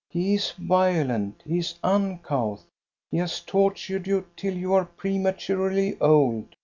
He is violent, he is uncouth, he has tortured you till you are prematurely old.